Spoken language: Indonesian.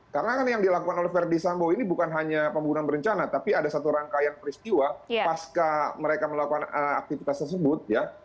karena kan yang dilakukan oleh verdi sambo ini bukan hanya pembunuhan berencana tapi ada satu rangkaian peristiwa pas mereka melakukan aktivitas tersebut ya